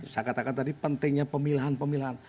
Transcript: saya katakan tadi pentingnya pemilihan pemilihan